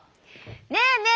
ねえねえ